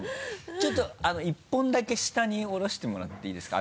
ちょっと１本だけ下に下ろしてもらっていいですか？